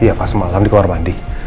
iya pak semalam di kamar mandi